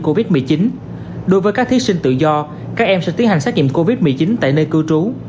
covid một mươi chín đối với các thí sinh tự do các em sẽ tiến hành xét nghiệm covid một mươi chín tại nơi cư trú